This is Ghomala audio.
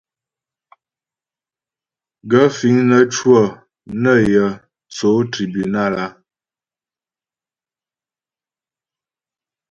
Gaə̂ fíŋ nə́ cwə nə yə̂ tsó tribúnal a ?